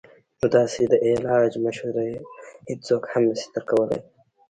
نو داسې د علاج مشورې هيڅوک هم نشي درکولے -